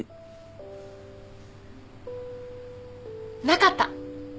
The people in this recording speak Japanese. なかった。